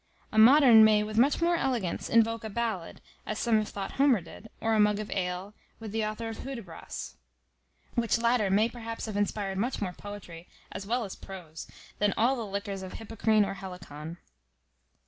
A modern may with much more elegance invoke a ballad, as some have thought Homer did, or a mug of ale, with the author of Hudibras; which latter may perhaps have inspired much more poetry, as well as prose, than all the liquors of Hippocrene or Helicon.